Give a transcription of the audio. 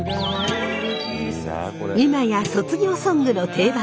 今や卒業ソングの定番